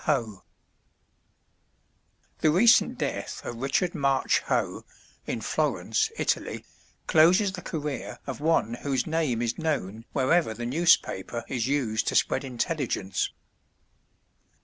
HOE. The recent death of Richard March Hoe, in Florence, Italy, closes the career of one whose name is known wherever the newspaper is used to spread intelligence.